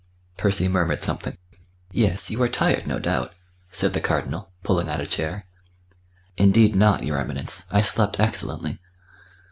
Percy murmured something. "Yes; you are tired, no doubt," said the Cardinal, pulling out a chair. "Indeed not, your Eminence. I slept excellently."